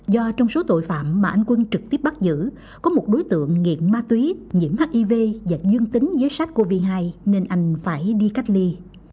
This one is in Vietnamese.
do trong số tội phạm mà anh quân trực tiếp bắt giữ có một đối tượng nghiện ma túy nhiễm hiv và dương tính với sars cov hai nên anh phải đi cách ly